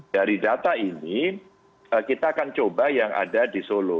dari data ini kita akan coba yang ada di solo